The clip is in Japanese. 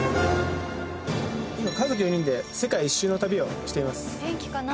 今家族４人で世界一周の旅をしています